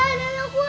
pergi ini rumah kita